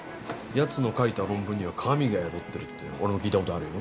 奴の書いた論文には神が宿ってるって俺も聞いた事あるよ。